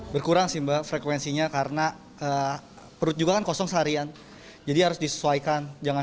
berkurang simba frekuensinya karena perut juga kosong seharian jadi harus disesuaikan jangan